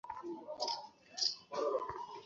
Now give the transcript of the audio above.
কিন্তু আমি পথ চলার জন্য খুবই দুর্বল।